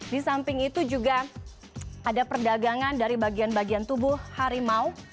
di samping itu juga ada perdagangan dari bagian bagian tubuh harimau